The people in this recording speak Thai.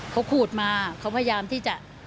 เขาขูดมาเขาพยายามที่จะ